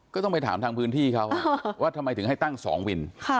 ก็ต้องไปถามทางพื้นที่เขาว่าทำไมถึงให้ตั้ง๒วิน